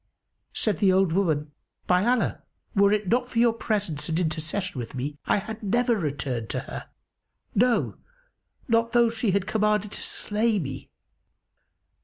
Said the old woman, "By Allah, were it not for your presence and intercession with me, I had never returned to her; no, not though she had commanded to slay me!"